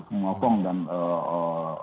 semua pom dan ee